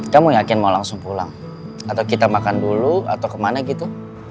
kamu yakin mau langsung pulang atau kita makan dulu atau kemana gitu